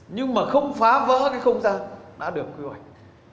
nhưng mà không phá vỡ cái không gian đã được quy hoạch